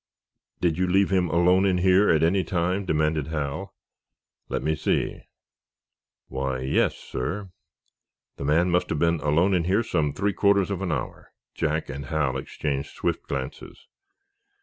"Did you leave him alone in here, at any time?" demanded Hal. "Let me see. Why, yes, sir. The man must have been alone in here some three quarters of an hour." Jack and Hal exchanged swift glances.